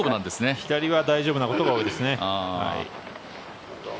左は大丈夫なことが多いですね。